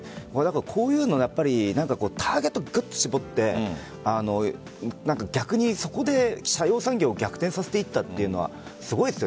こういうのはやっぱりターゲットをぐっと絞って逆にそこで斜陽産業を逆転させていったというのはすごいですよね。